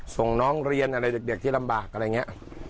ส่งน้องเรียนอะไรเด็กที่ลำบากอะไรอย่างนี้